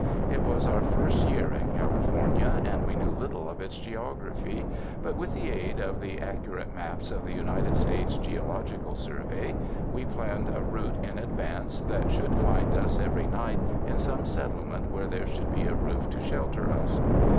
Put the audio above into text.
It was our first year in California and we knew little of its geography, but with the aid of the ac curate maps of the United States Geological Survey we planned a route in advance that should find us every night in some settlement where there should be a roof to shelter us.